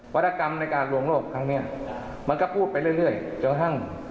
วัตกรรมในการลวงโรครคับเนี้ยมันก็พูดไปเรื่อยเรื่อยจนทั้ง